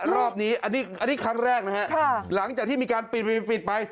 รอบนี้อันนี้ครั้งแรกนะฮะหลังจากที่มีการปิดไป